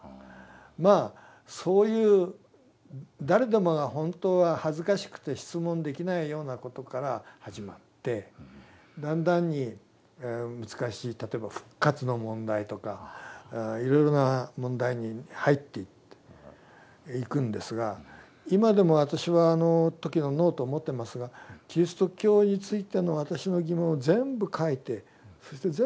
まあそういう誰でもが本当は恥ずかしくて質問できないようなことから始まってだんだんに難しい例えば復活の問題とかいろいろな問題に入っていくんですが今でも私はあの時のノートを持ってますがキリスト教についての私の疑問を全部書いてそして全部ぶつけた。